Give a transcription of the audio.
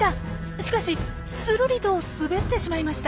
しかしするりと滑ってしまいました。